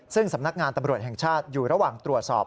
ซึ่งสำนักงานตำรวจแห่งชาติอยู่ระหว่างตรวจสอบ